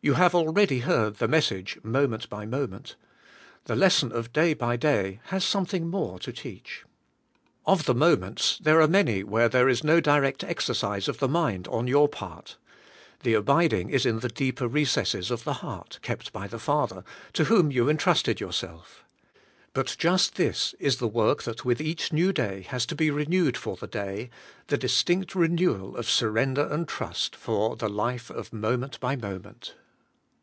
You have already heard the message, Mo ment by moment; the lesson of day by day has some thing more to teach. Of the moments there are many where there is no direct exercise of the mind on your part; the abiding is in the deeper recesses of the heart, kept by the Father, to whom you entrusted DAY BY DAY, 111 yourself. But just this is the work that with each new day has to be renewed for the day, — the distinct renewal of surrender and trust for the life of moment by moment.